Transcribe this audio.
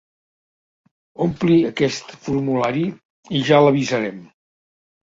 Ompli aquest formulari i ja l'avisarem.